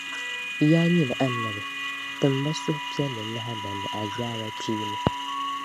Yaa nyini Annabi! Tim ba suhupiɛlli lahibali ni azaabakpeeni.